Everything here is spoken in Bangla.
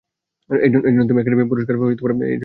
এর জন্য তিনি একাডেমি পুরস্কার অর্জন করেন।